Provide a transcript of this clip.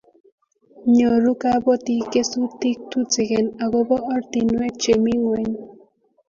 nyoru kabotik kesutik tutegen akobo ortinwek che mi ng'weny.